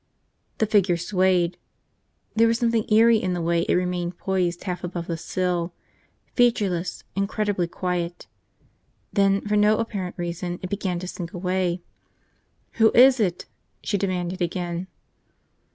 The figure swayed. There was something eerie in the way it remained poised half above the sill, featureless, incredibly quiet. Then, for no apparent reason, it began to sink away. "Who is it?" she demanded again.